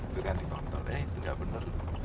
itu kan dikontrol ya itu tidak benar